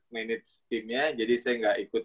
manage timnya jadi saya nggak ikut